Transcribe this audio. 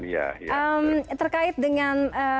pak subban terkait dengan